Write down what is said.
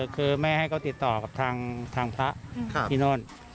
คือแม่ให้เขาติดต่อกับทางพระที่โน่น